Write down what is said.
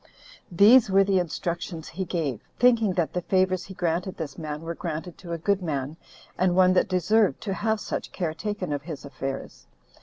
These were the instructions he gave, thinking that the favors he granted this man were granted to a good man, and one that deserved to have such care taken of his affairs.